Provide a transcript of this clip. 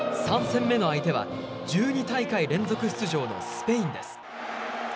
３戦目の相手は１２大会連続出場のスペインです。